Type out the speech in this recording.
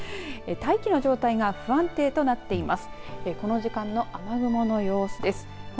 大気の状態が不安定となっています。